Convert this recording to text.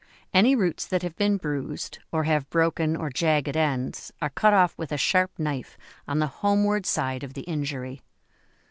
Any roots that have been bruised, or have broken or jagged ends, are cut off with a sharp knife on the homeward side of the injury.